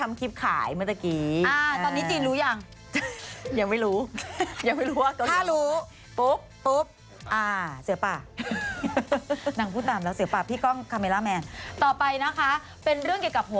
ไม่เกาหลีเขาเอามาขายแล้วเขาทำคลิปขายเหมือนเมื่อกี้